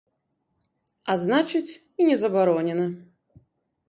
А значыць, і не забаронена.